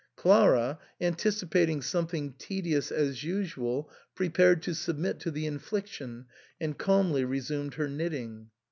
Clara, anticipating something tedious as usual, prepared to submit to the infliction, and calmly resumed her knit ting.